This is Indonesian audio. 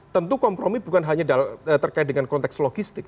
tentu kompromi bukan hanya terkait dengan konteks logistik